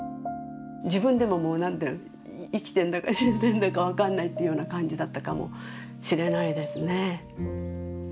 自分でももう生きてるんだか死んでるんだか分からないっていうような感じだったかもしれないですね。